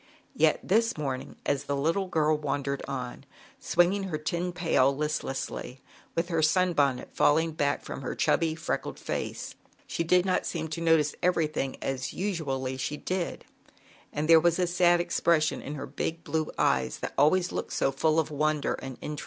Yet this morning, as the little girl wandered on, swinging her tin pail list lessly, with her sun bonnet falling back from her chubby, freckled face, she did not seem to notice everything as usually she did, and there was a sad expression in her big blue eyes that always looked about so full of wonder and interest.